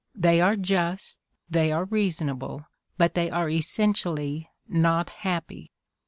They are just, they are reasonable, but they are essentially not happy."